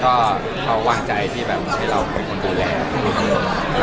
ก็เขาหวังใจว่าต้องเจอคนศูนย์แรก